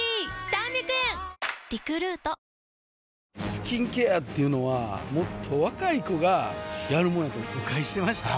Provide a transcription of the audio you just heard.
スキンケアっていうのはもっと若い子がやるもんやと誤解してました